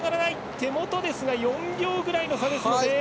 手元ですが４秒ぐらいの差ですよね。